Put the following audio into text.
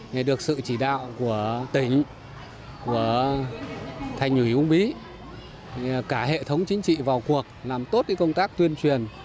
để được sự chỉ đạo của tỉnh của thành ủy u bí cả hệ thống chính trị vào cuộc làm tốt công tác tuyên truyền